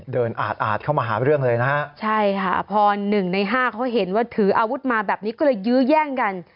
อาดอาดเข้ามาหาเรื่องเลยนะฮะใช่ค่ะพอหนึ่งในห้าเขาเห็นว่าถืออาวุธมาแบบนี้ก็เลยยื้อแย่งกัน